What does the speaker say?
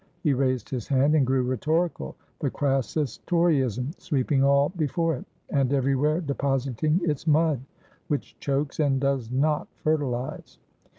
He raised his hand and grew rhetorical. "The crassest Toryism sweeping all before it, and everywhere depositing its mudwhich chokes and does not fertilise.